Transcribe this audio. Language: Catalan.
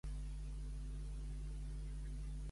The Beginning es van conèixer els dos.